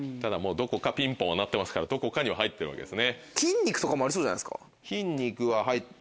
ピンポンは鳴ってますからどこかには入ってるわけですね。